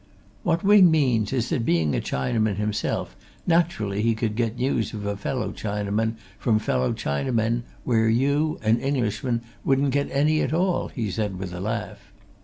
"What Wing means is that being a Chinaman himself, naturally he could get news of a fellow Chinaman from fellow Chinamen where you, an Englishman, wouldn't get any at all!" he said with a laugh.